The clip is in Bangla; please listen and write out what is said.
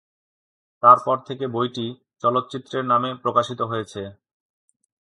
তারপর থেকে বইটি চলচ্চিত্রের নামে প্রকাশিত হয়েছে।